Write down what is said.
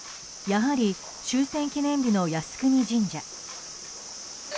やはり、終戦記念日の靖国神社。